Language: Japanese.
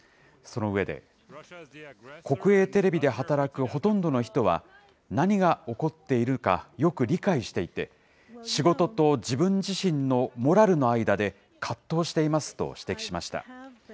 その上で、国営テレビで働くほとんどの人は、何が起こっているかよく理解していて、仕事と自分自身のモラルの間で葛藤していますと、指摘しました。